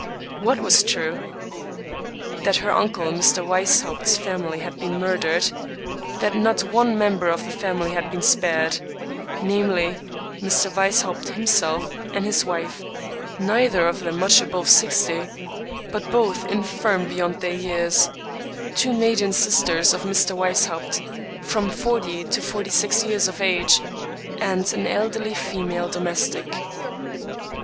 " What was true ?" That her uncle Mr. Weishaupt's family had been murdered; that not one member of the family had been spared — ^namely, Mr. Weishaupt himself and his wife, neither of them much above sixty, but both infirm beyond their years ; two maiden sisters of Mr. Weis haupt, from forty to forty six years of age, and an elderly female domestic.